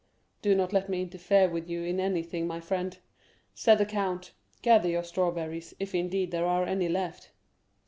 "Do not let me interfere with you in anything, my friend," said the count; "gather your strawberries, if, indeed, there are any left."